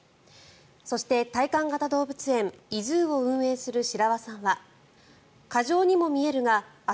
そして体感型動物園ｉＺｏｏを運営する白輪さんは過剰にも見えるがあ